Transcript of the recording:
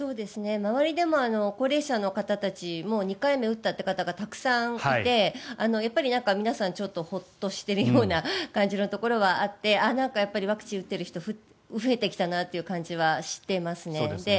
周りでも高齢者の方たちもう２回目を打ったという方がたくさんいて皆さん、ちょっとホッとしているような感じのところはあってワクチンを打っている人が増えてきたなという感じはしていますね。